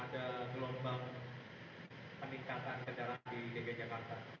ada gelombang peningkatan kejaran di dg jakarta